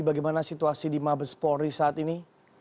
bagaimana situasi di mabespori saat ini